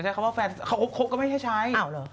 คำว่าคบกันก็ไม่ใช่ใช้